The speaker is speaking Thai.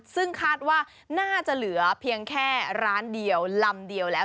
ซึ่งคาดว่าน่าจะเหลือเพียงแค่ร้านเดียวลำเดียวแล้ว